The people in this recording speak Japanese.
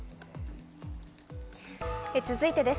続いてです。